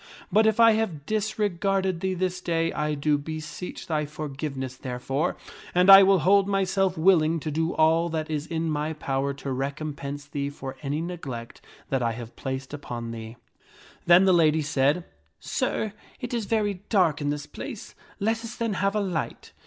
But if I have disregarded thee this day, I do beseech thy forgiveness therefore, and I will hold myself willing to do all that is in my power to recompense thee for any neglect that I have placed upon thee." Then the lady said, " Sir, it is very dark in this place; let us then have a light."